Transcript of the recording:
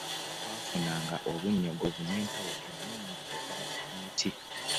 Twafunanga obunnyogovu n'empewo ennungi okuva ku miti.